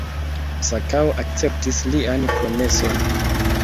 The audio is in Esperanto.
Sakao akceptis lian promeson.